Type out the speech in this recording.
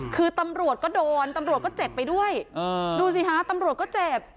คือตำรวจก็โดนตำรวจก็เจ็บไปด้วยดูสิฮะตำรวจก็เจ็บ